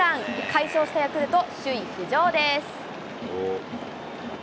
快勝したヤクルト、首位浮上です。